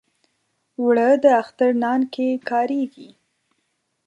اوړه د اختر نان کې کارېږي